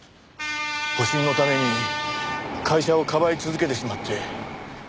保身のために会社をかばい続けてしまって。